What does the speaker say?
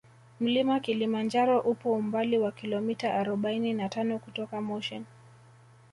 Mlima kilimanjaro upo umbali wa kilometa arobaini na tano kutoka moshi